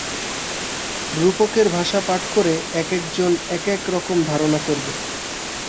রূপকের ভাষা পাঠ করে একেকজন একেক রকম ধারণা করবে।